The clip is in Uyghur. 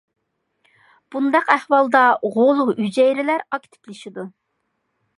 بۇنداق ئەھۋالدا غول ھۈجەيرىلەر ئاكتىپلىشىدۇ.